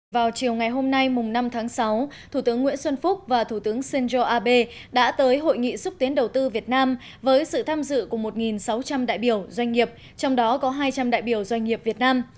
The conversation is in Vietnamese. vào chiều ngày hôm nay năm tháng sáu thủ tướng nguyễn xuân phúc và thủ tướng shinzo abe đã tới hội nghị xúc tiến đầu tư việt nam với sự tham dự của một sáu trăm linh đại biểu doanh nghiệp trong đó có hai trăm linh đại biểu doanh nghiệp việt nam